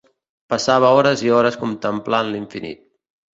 Passava hores i hores contemplant l'infinit.